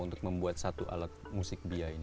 untuk membuat satu alat musik bia ini